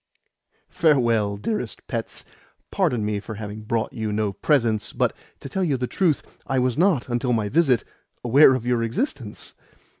"Farewell, dearest pets. Pardon me for having brought you no presents, but, to tell you the truth, I was not, until my visit, aware of your existence.